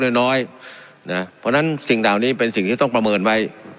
น้อยน้อยนะเพราะฉะนั้นสิ่งเหล่านี้เป็นสิ่งที่ต้องประเมินไว้